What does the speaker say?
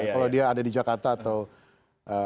kalau dia ada di jakarta atau di jepang